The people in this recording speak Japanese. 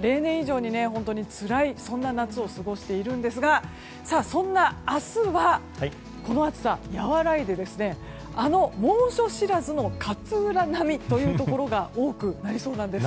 例年以上につらいそんな夏を過ごしているんですがそんな明日はこの暑さ、和らいであの猛暑知らずの勝浦並みというところが多くなりそうなんです。